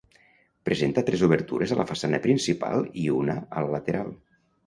Presenta tres obertures a la façana principal i una a la lateral.